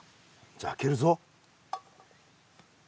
じゃ開けるぞ。